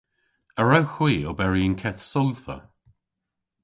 A wrewgh hwi oberi y'n keth sodhva?